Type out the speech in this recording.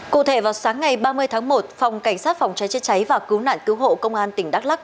cụ thể vào sáng ngày ba mươi tháng một phòng cảnh sát phòng cháy chữa cháy và cứu nạn cứu hộ công an tỉnh đắk lắc